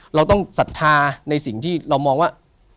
เราต้องศรัทธาในสิ่งที่เรามองว่า